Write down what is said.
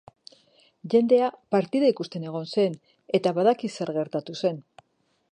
Jendea partida ikusten egon zen, eta badaki zer gertatu zen.